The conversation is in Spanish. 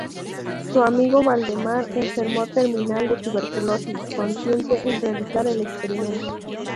Su amigo Valdemar, enfermo terminal de tuberculosis, consiente en realizar el experimento.